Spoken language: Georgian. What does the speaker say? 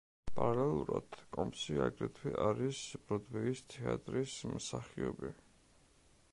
პარალელურად, კომბსი აგრეთვე არის ბროდვეის თეატრის მსახიობი.